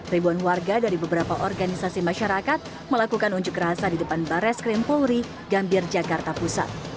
ribuan warga dari beberapa organisasi masyarakat melakukan unjuk rasa di depan bares krim polri gambir jakarta pusat